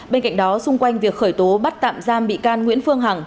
bên cạnh đó xung quanh việc khởi tố bắt tạm giam bị can nguyễn phương hằng